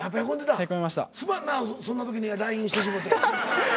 すまんなそんな時にＬＩＮＥしてしもて。